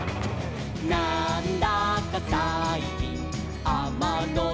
「なんだかさいきんあまのじゃく」